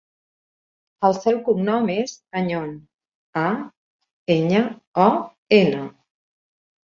El seu cognom és Añon: a, enya, o, ena.